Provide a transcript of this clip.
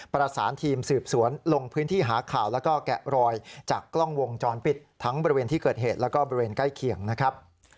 ประสานทีมสืบสวนลงพื้นที่หาข่าวแล้วก็แกะรอยจากกล้องวงจรปิดทั้งบริเวณที่เกิดเหตุแล้วก็บริเวณใกล้เคียงนะครับ